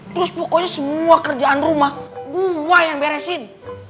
terus pokoknya semua kerjaan rumah gue yang beresin